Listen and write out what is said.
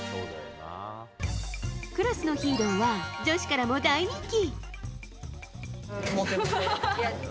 クラスのヒーローは女子からも大人気。